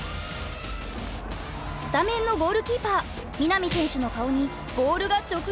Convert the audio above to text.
スタメンのゴールキーパー南選手の顔にボールが直撃。